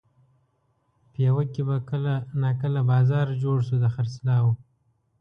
پېوه کې به کله ناکله بازار جوړ شو د خرڅلاو.